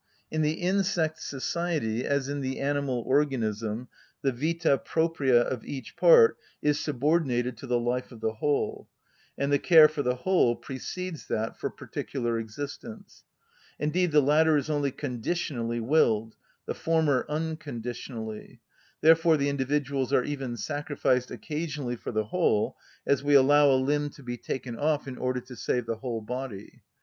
In the insect society, as in the animal organism, the vita propria of each part is subordinated to the life of the whole, and the care for the whole precedes that for particular existence; indeed the latter is only conditionally willed, the former unconditionally; therefore the individuals are even sacrificed occasionally for the whole, as we allow a limb to be taken off in order to save the whole body.